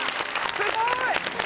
すごい。